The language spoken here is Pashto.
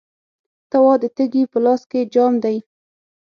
ته وا، د تږي په لاس کې جام دی